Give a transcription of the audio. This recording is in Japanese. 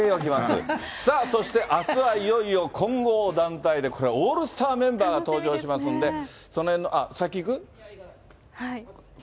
さあ、そしてあすは混合団体で、これ、オールスターメンバーが登場しますんで、そのへんの、先いく？